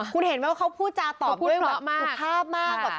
คุณเห็นมั้ยว่าเขาพูดจ่าตอบกล้าพด้วย